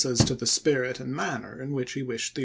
as to the spirit and manner in which he wished the oct.